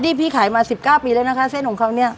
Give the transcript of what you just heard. นี่พี่ขายมา๑๙ปีแล้วนะคะเส้นของเขาเนี่ย